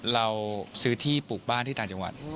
เราซื้อที่ปลูกบ้านที่ต่างจังหวัด